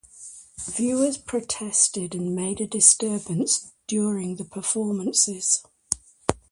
Viewers protested and made a disturbance during the performances.